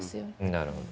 なるほど。